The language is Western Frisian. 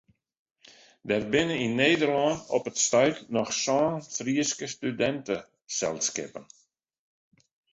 Der binne yn Nederlân op it stuit noch sân Fryske studinteselskippen.